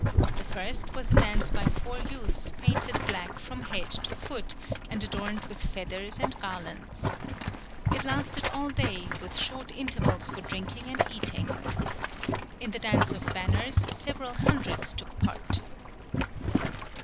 The first was a dance by four youths painted black from head to foot, and adorned with feathers and garlands. It lasted all day, with short intervals for drinking and eating. In the dance of banners several hundreds took part.